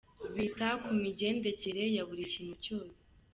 Bita ku migendekere ya buri kintu cyose.